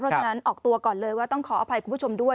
เพราะฉะนั้นออกตัวก่อนเลยว่าต้องขออภัยคุณผู้ชมด้วย